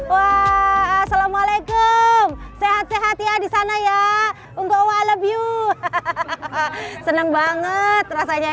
wa assalamualaikum sehat sehat ya di sana ya untuk walau view hahaha seneng banget rasanya